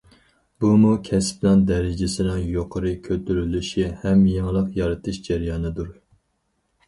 بۇمۇ كەسىپنىڭ دەرىجىسىنىڭ يۇقىرى كۆتۈرۈلۈشى ھەم يېڭىلىق يارىتىش جەريانىدۇر.